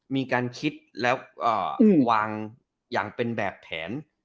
มีการคิดแล้ววางอย่างเป็นแบบแผน